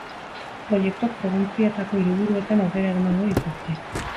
Proiektuak probintzietako hiriburuetan aurrera eramango dituzte.